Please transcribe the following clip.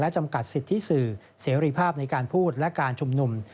จำกัดสิทธิสื่อเสรีภาพในการพูดและการชุมนุม